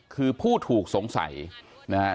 คือผู้ถูกสงสัยนะฮะ